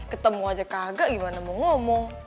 ketemu aja kaga gimana mau ngomong